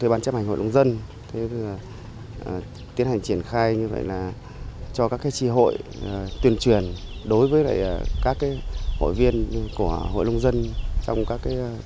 bàn chấp hành hội nông dân tiến hành triển khai cho các tri hội tuyên truyền đối với các hội viên của hội nông dân trong các tri hội